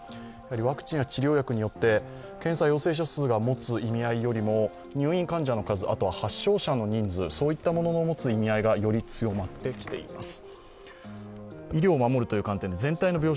ワクチンや治療薬によって、検査陽性者数が持つ意味合いよりも入院患者の数、発症者の数の持つ意味合いがより強まってきています。